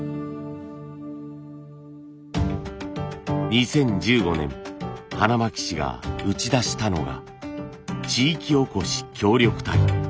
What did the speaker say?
２０１５年花巻市が打ち出したのが地域おこし協力隊。